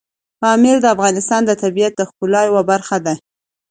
پامیر د افغانستان د طبیعت د ښکلا یوه برخه ده.